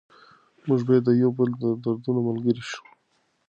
موږ باید د یو بل د دردونو ملګري شو.